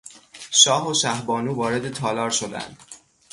شاه و شهبانو وارد تالار شدند.